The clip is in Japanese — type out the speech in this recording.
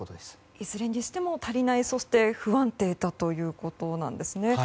いずれにしても足りないそして不安定ということですね。